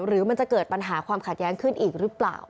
หรือมันจะเกิดปัญหาความขัดแย้งขึ้นอีกหรือเปล่า